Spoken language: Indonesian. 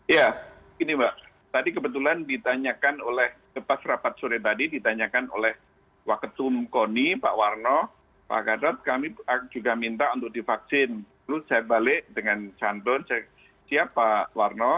ya gini mbak tadi kebetulan ditanyakan oleh lepas rapat sore tadi ditanyakan oleh waketum koni pak warno pak gadot kami juga minta untuk divaksin terus saya balik dengan santun saya siap pak warno